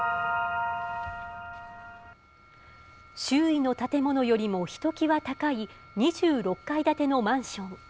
周囲の建物よりもひときわ高い２６階建てのマンション。